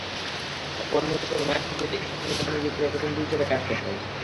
অপর নিহত হুমায়ূন কবির একটি প্রসাধনী কোম্পানির বিক্রয় প্রতিনিধি হিসেবে কাজ করতেন।